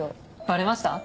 バレました？